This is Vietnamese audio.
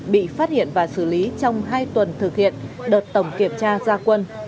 bị phát hiện và xử lý trong hai tuần thực hiện đợt tổng kiểm tra gia quân